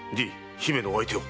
姫のお相手を。